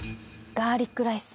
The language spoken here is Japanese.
ガーリックライス？